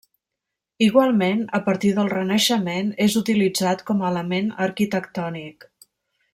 Igualment, a partir del Renaixement, és utilitzat com a element arquitectònic.